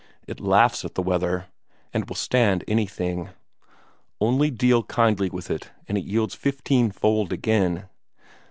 It laughs at the weather, and will stand anything; only deal kindly with it, and it yields fifteen fold again.